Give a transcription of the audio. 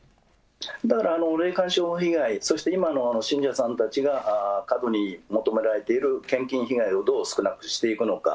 だから霊感商法被害、そして今の信者さんたちが過度に求められている献金被害をどう少なくしていくのか。